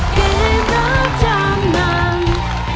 เกมรับจำนำ